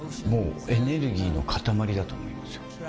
もうエネルギーの塊だと思いますよ。